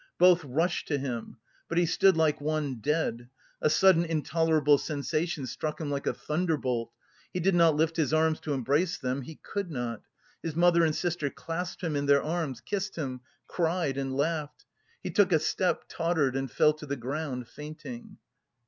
Both rushed to him. But he stood like one dead; a sudden intolerable sensation struck him like a thunderbolt. He did not lift his arms to embrace them, he could not. His mother and sister clasped him in their arms, kissed him, laughed and cried. He took a step, tottered and fell to the ground, fainting.